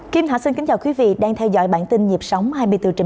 kim thảo xin kính chào quý vị đang theo dõi bản tin nhịp sóng hai mươi bốn h bảy